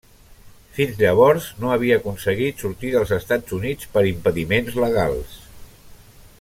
Fins llavors no havia aconseguit sortir dels Estats Units per impediments legals.